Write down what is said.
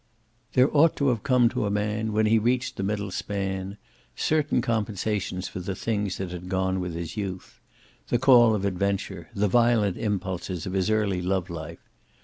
There ought to have come to a man, when he reached the middle span, certain compensations for the things that had gone with his youth, the call of adventure, the violent impulses of his early love life.